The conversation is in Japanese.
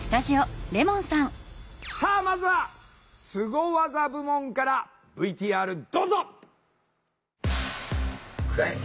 さあまずはスゴ技部門からＶＴＲどうぞ！